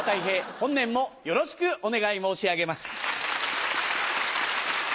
本年もよろしくお願い申し上げます。